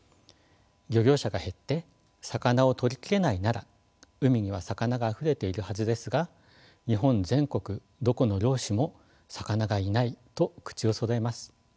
漁業者が減って魚をとり切れないなら海には魚があふれているはずですが日本全国どこの漁師も魚がいないと口をそろえます。